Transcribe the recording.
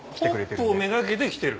ホップを目がけて来てる？